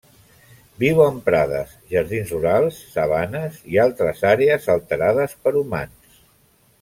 Viu en prades, jardins rurals, sabanes i altres àrees alterades per humans.